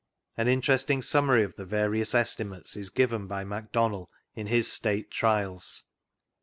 An interesting summary of the various estimates is given by MacDonnell in his St(Ue Trials.